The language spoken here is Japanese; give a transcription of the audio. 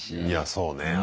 いやそうね。